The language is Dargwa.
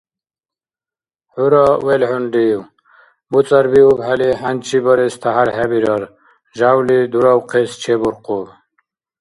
ХӀура велхӀунрив? БуцӀарбиубхӀели хӀянчи бареси тяхӀяр хӀебирар, жявли дуравхъес чебуркъуб.